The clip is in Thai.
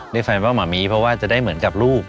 แฟนว่าหมามีเพราะว่าจะได้เหมือนกับลูก